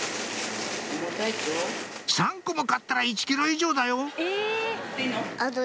３個も買ったら１ｋｇ以上だよ？